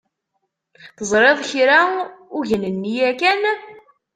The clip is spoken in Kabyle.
Teẓriḍ kra ugnenni yakan?